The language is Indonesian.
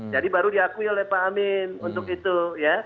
jadi baru diakui oleh pak amin untuk itu ya